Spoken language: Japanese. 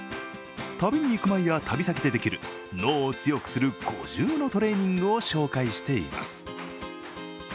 旅に行く前や旅先でできる脳を強くする５０のトレーニングを紹介しています。